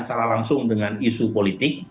secara langsung dengan isu politik